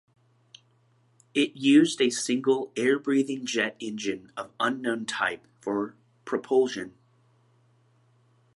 It used a single airbreathing jet engine of unknown type for propulsion.